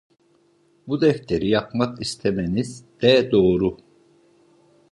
Bu defteri yakmak istemeniz de doğru…